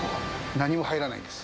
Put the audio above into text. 何も入らないです。